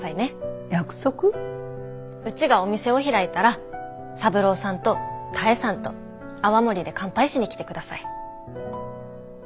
うちがお店を開いたら三郎さんと多江さんと泡盛で乾杯しに来てください。